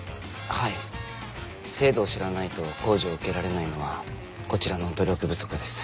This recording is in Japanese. はい制度を知らないと控除を受けられないのはこちらの努力不足です。